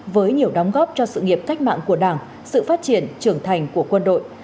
với nhiều đóng góp cho sự nghiệp cách mạng của đảng sự phát triển trưởng thành của quân đội